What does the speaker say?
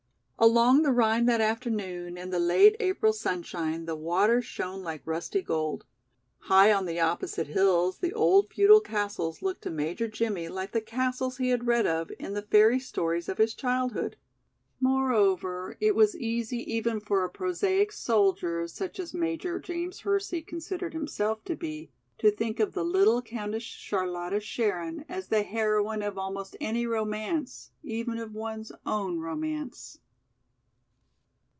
Along the Rhine that afternoon in the late April sunshine the water shone like rusty gold. High on the opposite hills the old feudal castles looked to Major Jimmie like the castles he had read of in the fairy stories of his childhood. Moreover, it was easy even for a prosaic soldier, such as Major James Hersey considered himself to be, to think of the little Countess Charlotta Scherin as the heroine of almost any romance, even of one's own romance.